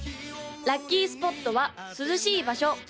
・ラッキースポットは涼しい場所